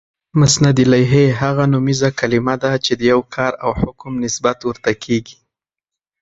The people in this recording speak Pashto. مسندالیه: هغه نومیزه کلیمه ده، چي د یو کار او حکم نسبت ورته کیږي.